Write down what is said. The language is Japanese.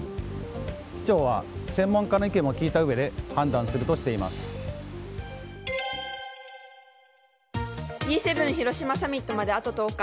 市長は専門家の意見も聞いたうえでＧ７広島サミットまであと１０日。